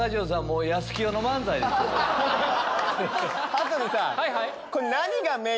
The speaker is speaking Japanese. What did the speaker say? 羽鳥さん！